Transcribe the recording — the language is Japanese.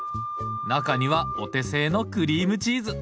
中にはお手製のクリームチーズ！